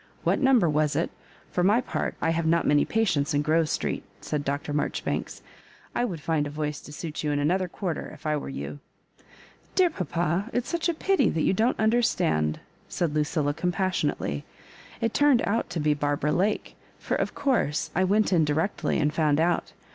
What number was it? For my part, I have not many patients in Grove Street," said Dr. Marjoribanks. " I would find a voice to suit you in another quarter, if I were you." " Dear papa, it's such a pity that you don't understand," said Lucilla, compassionately. " It turned out to be Barbara Lake; for, of course, I went in directly, and found out.